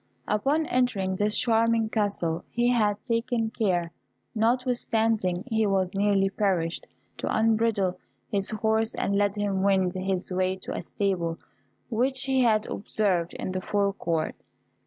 Upon entering this charming castle he had taken care, notwithstanding he was nearly perished, to unbridle his horse and let him wend his way to a stable which he had observed in the fore court.